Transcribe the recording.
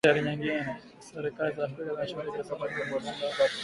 Serikali za Afrika zimeshughulikia sarafu ya kimtandao tofauti tofauti